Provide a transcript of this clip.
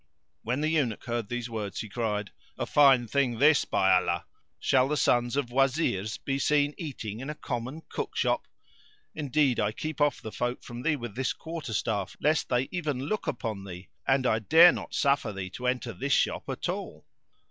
When the Eunuch heard these words he cried, "A fine thing this, by Allah! Shall the sons of Wazirs be seen eating in a common cook shop? Indeed I keep off the folk from thee with this quarter staff lest they even look upon thee; and I dare not suffer thee to enter this shop at all."